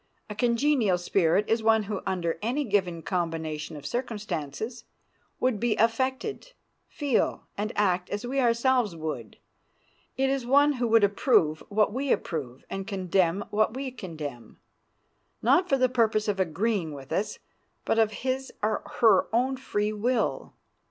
A congenial spirit is one who, under any given combination of circumstances, would be affected, feel, and act as we ourselves would; it is one who would approve what we approve and condemn what we condemn, not for the purpose of agreeing with us, but of his or her own free will.